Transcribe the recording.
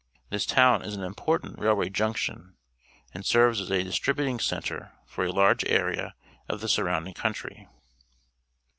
This town is an important railway junction and serves as a distributing centre for a large area of the surrounding country.